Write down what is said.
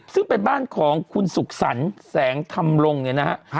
ซึ่งเป็นบ้านของคุณสุขสรรค์แสงธรรมลงเนี่ยนะฮะ